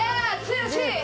剛！